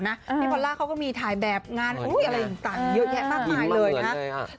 พี่พอลล่าเขาก็มีถ่ายแบบงานอะไรต่างเยอะแยะมากมายเลยนะครับ